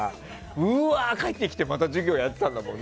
うわ帰ってきてまた授業やってたんだもんね。